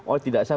oh tidak sah